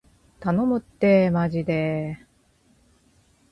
頼むってーまじで